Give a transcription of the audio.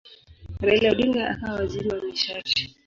Raila Odinga akawa waziri wa nishati.